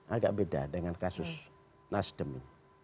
agak beda dengan kasus nasdemi